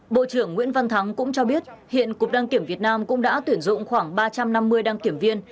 bộ trưởng nguyễn văn thắng cũng cho biết hiện cục đăng kiểm việt nam cũng đã tuyển dụng khoảng ba trăm năm mươi đăng kiểm viên